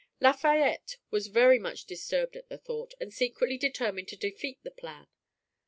Lafayette was very much disturbed at the thought, and secretly determined to defeat the plan.